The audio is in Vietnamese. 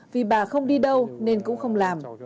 vì bà không đi đâu nên cũng không làm